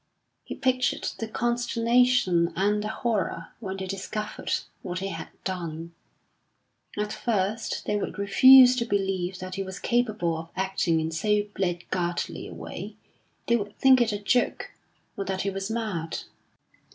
He pictured the consternation and the horror when they discovered what he had done. At first they would refuse to believe that he was capable of acting in so blackguardly a way; they would think it a joke, or that he was mad.